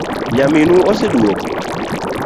Nyaminu oseduogo?'